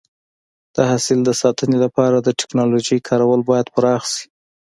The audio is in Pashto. د حاصل د ساتنې لپاره د ټکنالوژۍ کارول باید پراخ شي.